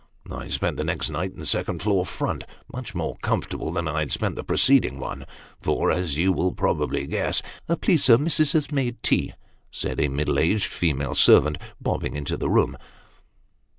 I spent the next night in his second floor front, much more comfortable than I had spent the preceding one ; for, as you will probably guess "" Please, sir, missis has made tea," said a middle aged female servant, bobbing into the room.